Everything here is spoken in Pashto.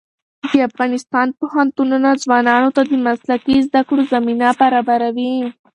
د افغانستان پوهنتونونه ځوانانو ته د مسلکي زده کړو زمینه برابروي.